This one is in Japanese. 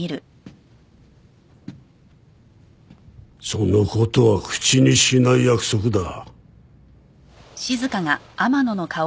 その事は口にしない約束だ。